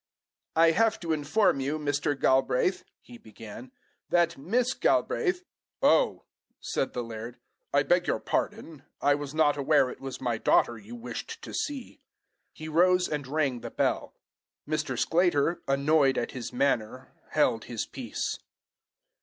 "I have to inform you, Mr. Galbraith," he began, "that Miss Galbraith " "Oh!" said the laird, "I beg your pardon; I was not aware it was my daughter you wished to see." He rose and rang the bell. Mr. Sclater, annoyed at his manner, held his peace.